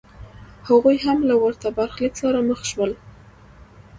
هغوی هم له ورته برخلیک سره مخ شول